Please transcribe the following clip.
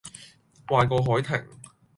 壞過凱婷